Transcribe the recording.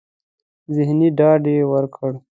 ذهني ډاډ يې ورکړ.